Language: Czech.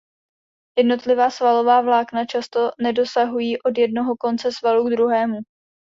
Jednotlivá svalová vlákna často nedosahují od jednoho konce svalu k druhému.